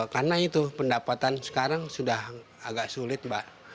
karena itu pendapatan sekarang sudah agak sulit mbak